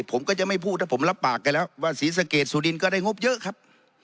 ผมก็จะไม่พูดถ้าผมรับปากไปแล้วว่าศรีสะเกดสุรินทร์ก็ได้งบเยอะครับ